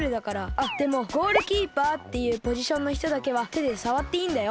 あっでもゴールキーパーっていうポジションのひとだけはてでさわっていいんだよ。